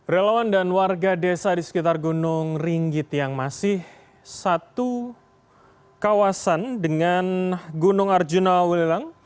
relawan dan warga desa di sekitar gunung ringgit yang masih satu kawasan dengan gunung arjuna welilang